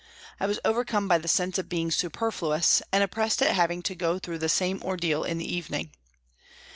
I was overcome by the sense of being superfluous, and oppressed at having to go through the same ordeal in the evening.